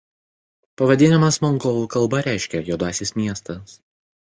Pavadinimas mongolų kalba reiškia „juodasis miestas“.